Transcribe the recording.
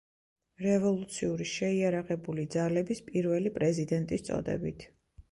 რევოლუციური შეიარაღებული ძალების პირველი პრეზიდენტის წოდებით.